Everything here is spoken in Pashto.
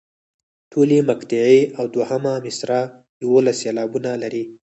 ټولې مقطعې او دوهمه مصرع یوولس سېلابونه لري.